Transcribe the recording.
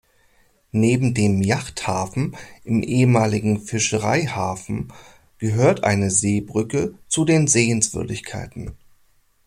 Neben dem Yachthafen im ehemaligen Fischereihafen gehört eine Seebrücke zu den Sehenswürdigkeiten.